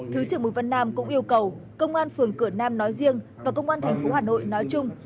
thứ trưởng bùi văn nam cũng yêu cầu công an phường cửa nam nói riêng và công an thành phố hà nội nói chung